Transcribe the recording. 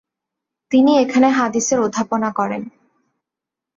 তিনি এখানে হাদিসের অধ্যাপনা করেন।